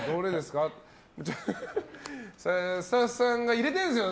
スタッフさんが入れてるんですよ